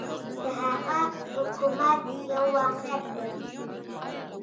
د هغه حکومت یو واقعیت دی.